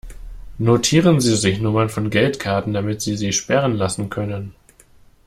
Notieren Sie sich Nummern von Geldkarten, damit sie sie sperren lassen können.